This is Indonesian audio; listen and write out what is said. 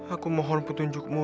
aku mohon putunjukmu